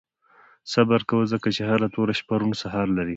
• صبر کوه، ځکه چې هره توره شپه روڼ سهار لري.